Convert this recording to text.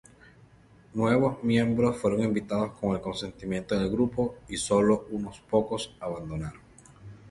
Nuevos miembros fueron invitados con el consentimiento del grupo, y sólo unos pocos abandonaron.